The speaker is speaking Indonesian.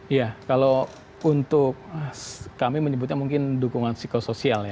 iya kalau untuk kami menyebutnya mungkin dukungan psikosoial ya